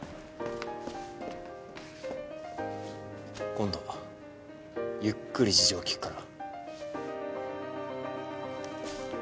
今度ゆっくり事情を聴くから。